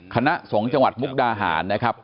คณะสงฆ์จังหวัดมุกดาหารนะครับ